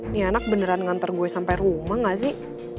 ini anak beneran nganter gue sampai rumah gak sih